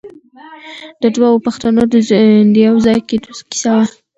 دا د دوو پښتنو د یو ځای کېدو کیسه وه.